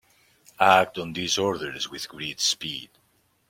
Act on these orders with great speed.